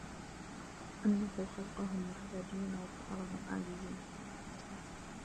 أَنَّهُ خَلَقَهُمْ مُحْتَاجِينَ وَفَطَرَهُمْ عَاجِزِينَ